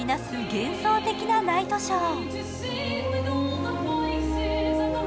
幻想的なナイトショー。